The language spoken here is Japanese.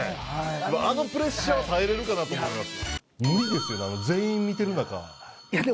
あのプレッシャーは耐えれるかなと思います。